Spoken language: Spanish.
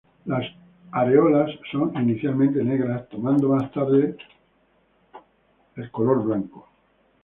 La areolas son inicialmente negras tornando más tarde para ser de color blanco.